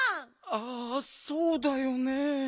ああそうだよねえ。